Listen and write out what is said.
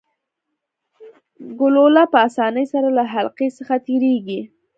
ګلوله په اسانۍ سره له حلقې څخه تیریږي.